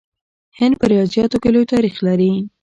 هند په ریاضیاتو کې لوی تاریخ لري.